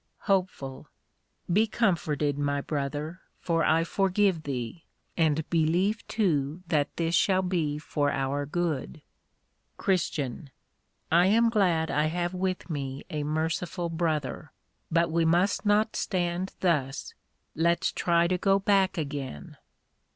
HOPE. Be comforted my brother, for I forgive thee; and believe too that this shall be for our good, CHR. I am glad I have with me a merciful Brother; but we must not stand thus, let's try to go back again.